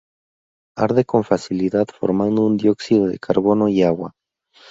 Arde con facilidad formando dióxido de carbono y agua.